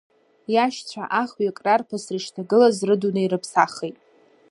Иашьцәа ахҩык рарԥысра ишҭагылаз рдунеи рыԥсахит.